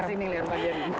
asik ya pak